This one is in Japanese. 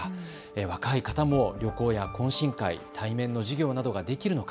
若い方も旅行や懇親会、対面の授業などができるのか。